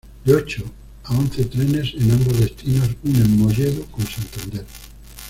De ocho a once trenes en ambos destinos unen Molledo con Santander.